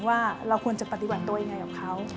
ว่าเราควรจะปฏิบัติตัวอย่างไรของเขา